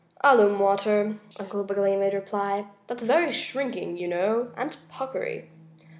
"Alum water," Uncle Wiggily made reply. "That's very shrinking, you know, and puckery."